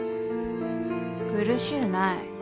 苦しうない。